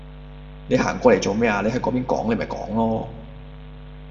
你行過嚟做咩呀，你喺嗰邊講你咪講囉